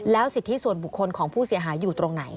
สิทธิส่วนบุคคลของผู้เสียหายอยู่ตรงไหน